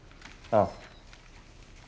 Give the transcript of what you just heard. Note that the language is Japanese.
ああ。